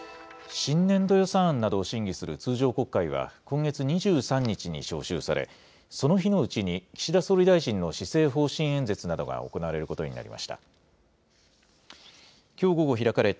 新年度予算案などを審議する通常国会は、今月２３日に召集され、その日のうちに、岸田総理大臣の施政方針演説などが行われることになりました。